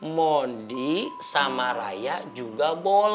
mondi sama raya juga boleh